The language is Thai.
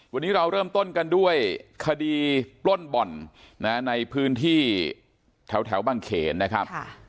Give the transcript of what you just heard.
วันนี้เราเริ่มต้นกันด้วยคดีปล้นบ่อนในพื้นที่แถวบางเขนนะครับ